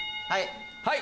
はい！